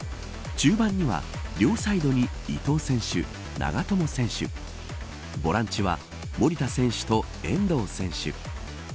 中盤には両サイドに伊東選手、長友選手ボランチは守田選手と遠藤選手。